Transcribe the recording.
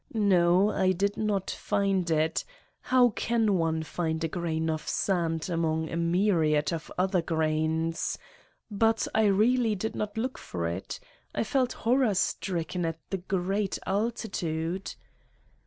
No. I did not find it : how can one find a grain of sand among a myriad of other grains But I really did not look for it: I felt horror stricken at the great altitude.